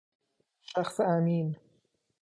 شخص امین